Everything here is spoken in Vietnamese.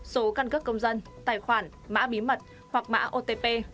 số căn cấp công dân tài khoản mã bí mật hoặc mã otp